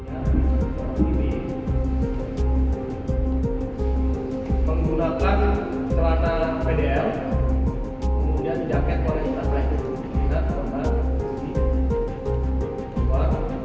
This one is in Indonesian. hai yang lebih menggunakan celana pdl menggunakan jaket oleh kita